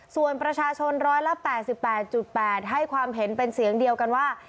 ส่วนประชาชนร้อยละแปดสิบแปดจุดแปดให้ความเห็นเป็นเสียงเดียวกันว่า